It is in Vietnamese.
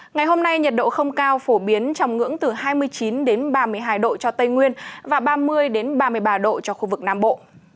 ngày hôm nay nhiệt độ không cao phổ biến trong ngưỡng từ hai mươi chín ba mươi hai độ cho tây nguyên và ba mươi ba mươi ba độ cho khu vực nam bộ